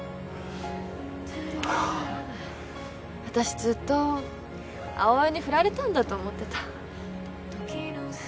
私ずっと葵に振られたんだと思ってた。